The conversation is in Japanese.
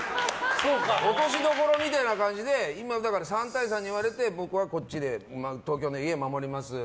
落としどころみたいな感じで３対３に割れて僕はこっちで東京の家を守ります。